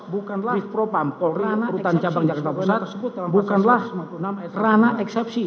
bukanlah rana eksepsi